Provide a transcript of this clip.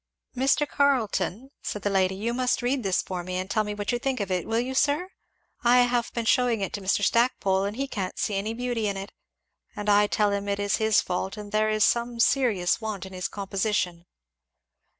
"Mr. Carleton," said the lady, "you must read this for me and tell me what you think of it, will you sir? I have been shewing it to Mr. Stackpole and he can't see any beauty in it, and I tell him it is his fault and there is some serious want in his composition.